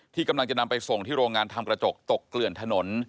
กำลังจะนำไปส่งที่โรงงานทำกระจกตกเกลื่อนถนน